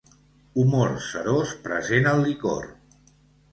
Humor serós present al licor.